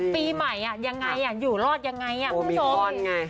ปีใหม่ยังไงอยู่รอดยังไงคุณผู้ชม